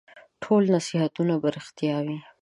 ټول نصیحتونه به رېښتیا وي ؟